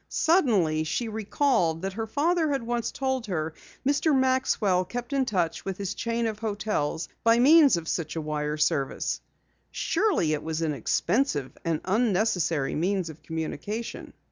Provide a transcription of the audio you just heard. Suddenly she recalled that her father had once told her Mr. Maxwell kept in touch with his chain of hotels by means of such a wire service. Surely it was an expensive and unnecessary means of communication.